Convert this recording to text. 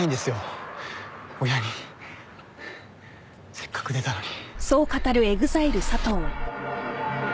せっかく出たのに。